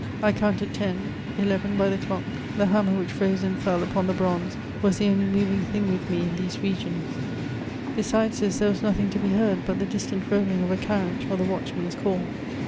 I counted ten — eleven, by the dock ; the hammer which rose and fell upon the brenze was the only moving thing with me in these regions. Besides this there was nothing to be heard but the distant rolling of a carriage, or the watchman's call.